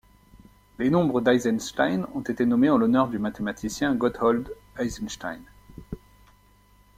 Les nombres d'Eisenstein ont été nommés en l'honneur du mathématicien Gotthold Eisenstein.